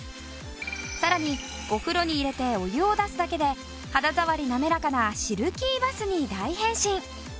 さらにお風呂に入れてお湯を出すだけで肌触り滑らかなシルキーバスに大変身。